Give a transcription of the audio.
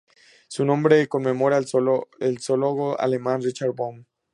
Su nombre conmemora al zoólogo alemán Richard Böhm.